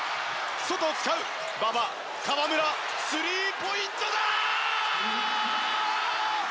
外を使う馬場、河村スリーポイントだ！